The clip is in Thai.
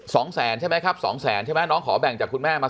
สองแสนใช่ไหมครับสองแสนใช่ไหมน้องขอแบ่งจากคุณแม่มา